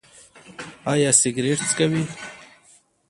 ایا سګرټ څکوئ؟